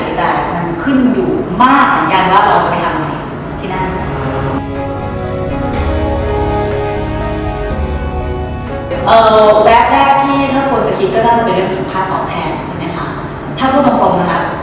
แต่มันขึ้นอยู่มากที่เราจะไปทำกัน